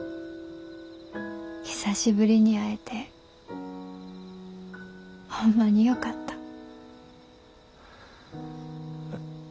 久しぶりに会えてホンマによかった。